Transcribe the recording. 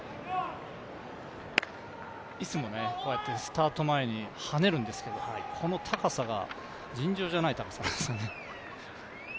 いつもこうやってスタート前にはねるんですけどこの高さが尋常じゃない高さなんですね。